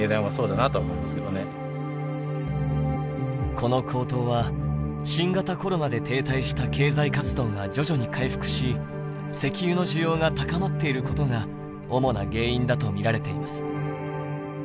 この高騰は新型コロナで停滞した経済活動が徐々に回復し石油の需要が高まっていることが主な原因だと見られています。